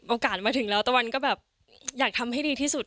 มาถึงแล้วตะวันก็แบบอยากทำให้ดีที่สุด